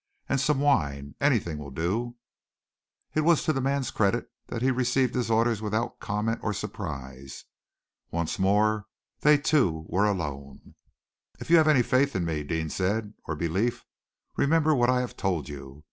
And some wine anything will do." It was to the man's credit that he received his orders without comment or surprise. Once more they two were alone. "If you have any faith in me," Deane said, "or any belief, remember what I have told you.